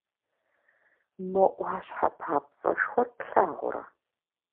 Мо Ӏуащхьэ папцӀэшхуэр плъагъурэ?